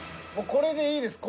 これでいいです。